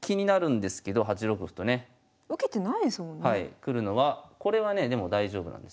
来るのはこれはねでも大丈夫なんです。